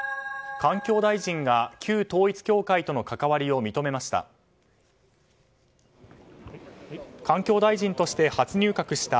環境大臣が旧統一教会との関わりを認めました。